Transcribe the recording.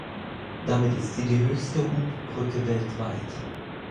Damit ist sie die höchste Hubbrücke weltweit.